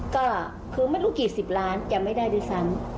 ก็คือไม่รู้กี่สิบล้านจังไม่ได้ดิซัน